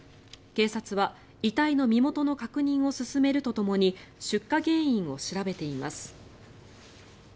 警察は遺体の身元の確認を進めるとともに出火原因を調べています。